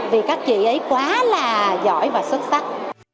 vì các chị ấy quá là giỏi và xuất sắc